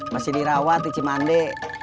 masih dirawat di cimande